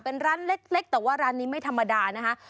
เป็นร้านเล็กแต่ว่าร้านนี้ไม่ธรรมดานะคะ